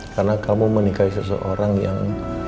karena kamu menikahi seseorang yang